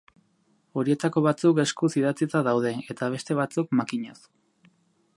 Horietako batzuk eskuz idatzita daude, eta beste batzuk makinaz.